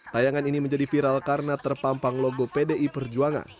tayangan ini menjadi viral karena terpampang logo pdi perjuangan